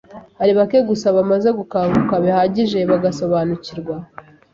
Hari bake gusa bamaze gukanguka bihagije bagasobanukirwa